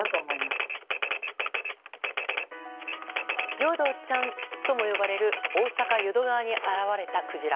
よどちゃんとも呼ばれる大阪・淀川に現れたクジラ。